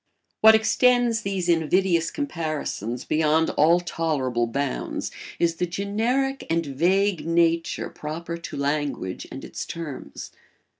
What extends these invidious comparisons beyond all tolerable bounds is the generic and vague nature proper to language and its terms.